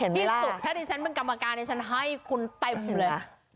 เห็นเวลาที่สุดถ้าที่ฉันเป็นกรรมการฉันให้คุณเต็มเลยเห็นไหม